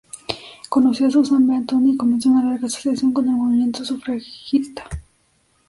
Conoció a Susan B. Anthony y comenzó una larga asociación con el movimiento sufragista.